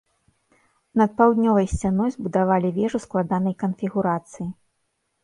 Над паўднёвай сцяной збудавалі вежу складанай канфігурацыі.